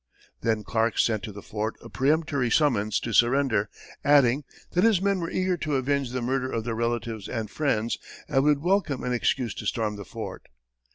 Then Clark sent to the fort a peremptory summons to surrender, adding, that "his men were eager to avenge the murder of their relatives and friends and would welcome an excuse to storm the fort."